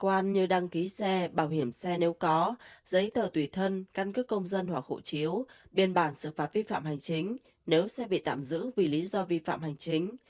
cơ quan như đăng ký xe bảo hiểm xe nếu có giấy tờ tùy thân căn cứ công dân hoặc hộ chiếu biên bản xử phạt vi phạm hành chính nếu xe bị tạm giữ vì lý do vi phạm hành chính